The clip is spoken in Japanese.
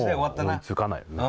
もう追いつかないよね。